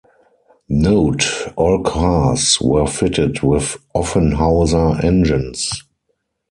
Note: all cars were fitted with Offenhauser engines.